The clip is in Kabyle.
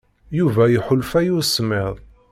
Yuba iḥulfa i usemmiḍ.